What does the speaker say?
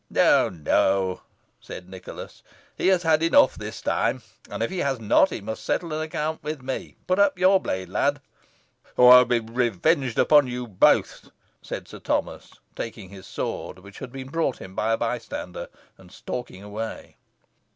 "No, no," said Nicholas, "he has had enough this time. And if he has not, he must settle an account with me. Put up your blade, lad." "I'll be revenged upon you both," said Sir Thomas, taking his sword, which had been brought him by a bystander, and stalking away.